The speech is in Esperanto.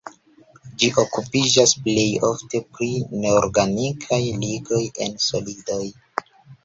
Ĝi okupiĝas plej ofte pri neorganikaj ligoj en solidoj.